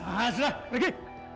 mas sudah pergi